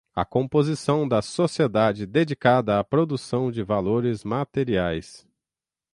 a composição da sociedade dedicada à produção de valores materiais